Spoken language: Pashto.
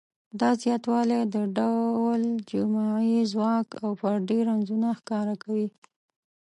دا زیاتوالی د ډول جمعي ځواک او فردي رنځونه ښکاره کوي.